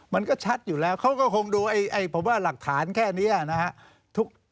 มันก็ชัดอยู่แล้วเขาก็คงดูผมว่าหลักฐานแค่นี้นะฮะ